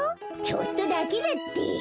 ちょっとだけだって。